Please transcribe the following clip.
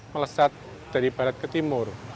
melesat dari barat ke timur